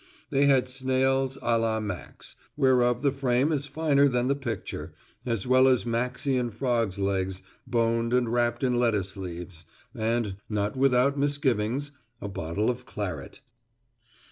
They had snails à la Max, whereof the frame is finer than the picture, as well as Maxian frogs' legs, boned and wrapped in lettuce leaves, and, not without misgivings, a bottle of claret.